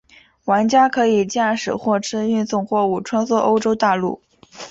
玩家可以驾驶货车运送货物穿梭欧洲大陆。